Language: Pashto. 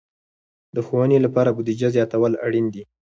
د ښوونې لپاره بودیجه زیاتول اړین دي.